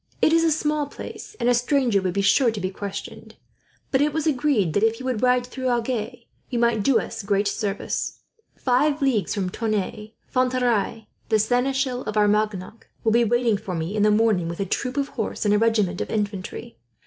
It is a small place, and a stranger would be sure to be questioned; but it was agreed that, if you would ride through Agen, you might do us great service. Five leagues from Tonneins Fontarailles, the seneschal of Armagnac, will be waiting for me, in the morning, with a troop of horse and a regiment of infantry.